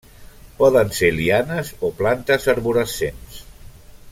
Poden ser lianes o plantes arborescents.